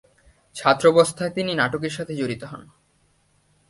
ছাত্রবস্থায় তিনি নাটকের সাথে জড়িত হন।